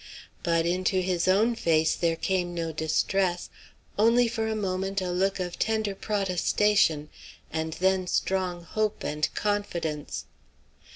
But into his own face there came no distress; only, for a moment, a look of tender protestation, and then strong hope and confidence.